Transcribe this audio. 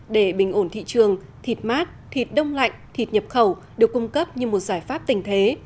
để bình ổn thị trường thịt mát thịt đông lạnh thịt nhập khẩu được cung cấp như một giải pháp tình thế